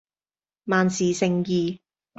萬事勝意